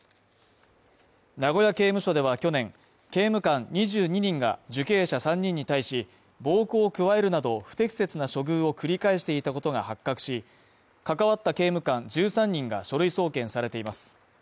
名古屋刑務所では去年、刑務官２２人が受刑者３人に対し、暴行を加えるなど、不適切な処遇を繰り返していたことが発覚し、関わった刑務官１３人が書類送検されています。